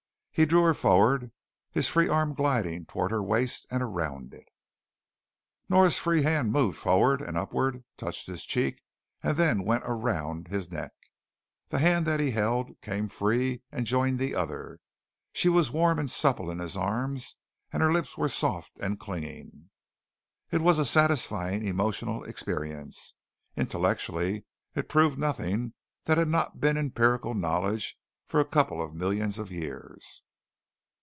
He drew her forward, his free arm gliding towards her waist and around it. Nora's free hand moved forward, upward, touched his cheek, and then went on around his neck. The hand that he held came free and joined the other. She was warm and supple in his arms and her lips were soft and clinging. It was a satisfying emotional experience. Intellectually it proved nothing that had not been empirical knowledge for a couple of millions of years.